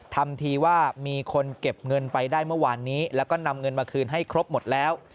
ทำทีว่ามีคนเก็บเงินไปได้เมื่อวานนี้แล้วก็นำเงินมาคืนให้ครบหมดแล้ว